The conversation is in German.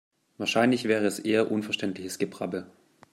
Wahrscheinlich wäre es eher unverständliches Gebrabbel.